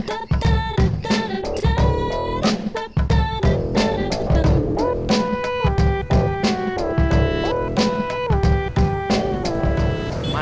minus pemburu suara